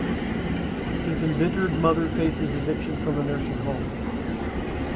His embittered mother faces eviction from the nursing home.